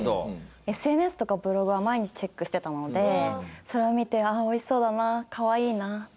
ＳＮＳとかブログは毎日チェックしてたのでそれを見て美味しそうだなかわいいなっていうのを。